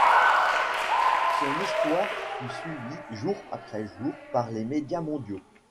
Son histoire fut suivie jour après jour par les médias mondiaux.